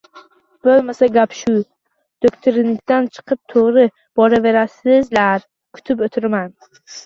– Bo’lmasa, gap shu! Do’xtirnikidan chiqib to’g’ri boraverasizlar! Kutib o’tiraman!